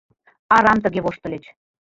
Арам тыге воштыльыч.